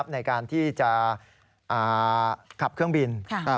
ในการที่จะขับเครื่องบิน